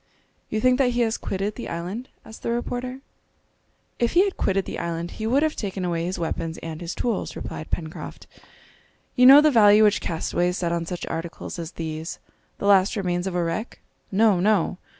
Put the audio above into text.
"You think that he has quitted the island?" asked the reporter. "If he had quitted the island he would have taken away his weapons and his tools," replied Pencroft. "You know the value which castaways set on such articles as these, the last remains of a wreck? No! no!"